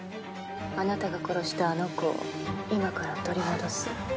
あなたが殺したあの子を今から取り戻す。